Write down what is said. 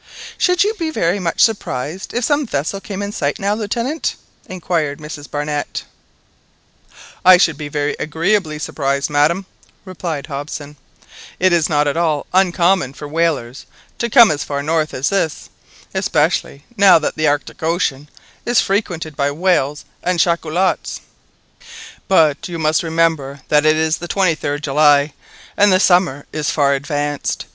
"Should you be very much surprised if some vessel came In sight now, Lieutenant?" inquired Mrs Barnett. "I should be very agreeably surprised, madam," replied Hobson. "It is not at all uncommon for whalers to come as far north as this, especially now that the Arctic Ocean is frequented by whales and chacholots, but you must remember that it is the 23rd July, and the summer is far advanced.